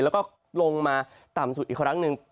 แล้วก็ลงมาต่ำสุดอีกครั้งหนึ่ง